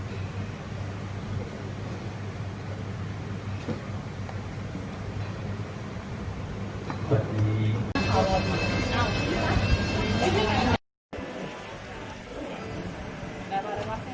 ขอบคุณครับ